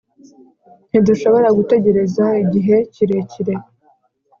ntidushobora gutegereza igihe kirekire.